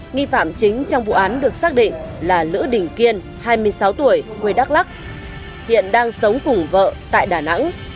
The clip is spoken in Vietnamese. nghi phạm chính trong vụ án được xác định là lữ đình kiên hai mươi sáu tuổi quê đắk lắc hiện đang sống cùng vợ tại đà nẵng